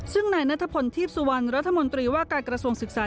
ซึ่งนายนัทพลทีพสุวรรณรัฐมนตรีว่าการกระทรวงศึกษา